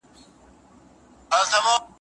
هغه ښار به